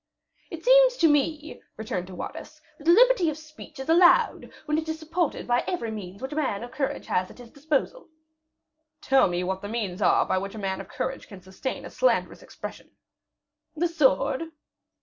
"It seems to me," returned De Wardes, "that liberty of speech is allowed, when it is supported by every means which a man of courage has at his disposal." "Tell me what the means are by which a man of courage can sustain a slanderous expression." "The sword."